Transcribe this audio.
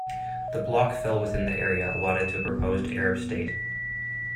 The bloc fell within the area allotted to a proposed Arab state.